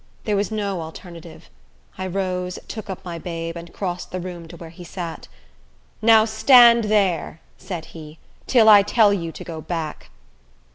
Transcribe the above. There was no alternative. I rose, took up my babe, and crossed the room to where he sat. "Now stand there," said he, "till I tell you to go back!"